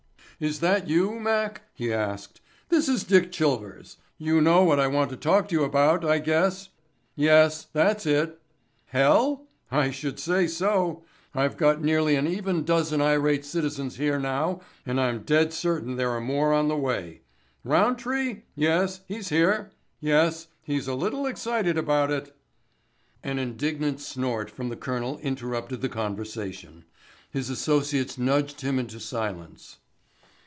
"Is that you, Mac?" he asked. "This is Dick Chilvers. You know what I want to talk to you about, I guess—yes, that's it—hell?—I should say so—I've got nearly an even dozen irate citizens here now and I'm dead certain there are more on the way—Roundtree?—yes, he's here—yes, he's a little excited about it——" An indignant snort from the colonel interrupted the conversation. His associates nudged him into silence.